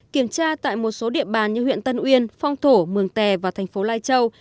kiểm tra tại một số địa bàn như huyện tân uyên phong thổ mường tè và thành phố lai châu